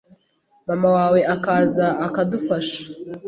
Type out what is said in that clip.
mama wawe akaza akadufasha?